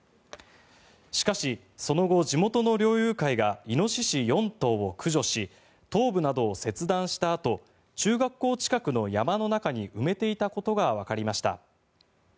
しかし、その後、地元の猟友会がイノシシ４頭を駆除し頭部などを切断したあと中学校近くの山の中に埋めていたことがわかりました。